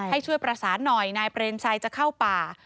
ให้ช่วยประสานหน่อยนายเปรมชัยจะเข้าป่า